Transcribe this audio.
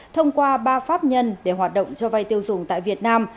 thông qua ba pháp nhân để hoạt động cho vay tiêu dùng tại việt nam